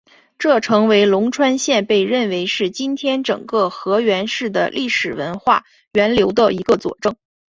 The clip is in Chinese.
这成为龙川县被认为是今天整个河源市的历史文化源流的一个佐证。